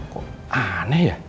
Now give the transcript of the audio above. kok aneh ya